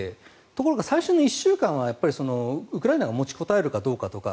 ところが、最初の１週間はウクライナが持ちこたえるかどうかとか。